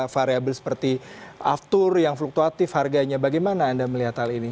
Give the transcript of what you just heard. variable seperti aftur yang fluktuatif harganya bagaimana anda melihat hal ini